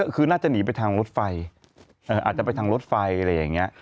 คือน่าจะหนีไปทางรถไฟอาจจะไปทางรถไฟอะไรอย่างนี้